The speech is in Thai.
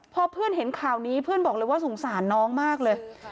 พอเพื่อนเห็นข่าวนี้เพื่อนบอกเลยว่าสงสารน้องมากเลย